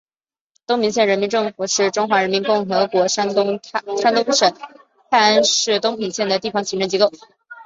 东平县人民政府是中华人民共和国山东省泰安市东平县的地方行政机构。